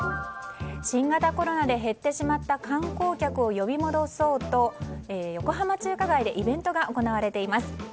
新型コロナで減ってしまった観光客を呼び戻そうと横浜中華街でイベントが行われています。